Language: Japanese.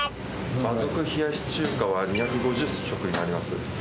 馬賊冷やし中華は２５０食になります。